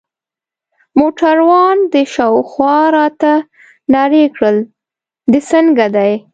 موټروان د شا لخوا راته نارې کړل: دی څنګه دی؟